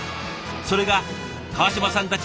それが川島さんたち